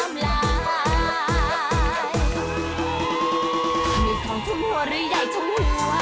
มีทองชุมหัวหรือใหญ่ชุมหัว